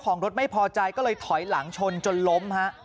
ของรถไม่พอใจก็เลยถอยหลังชนจนล้มฮะ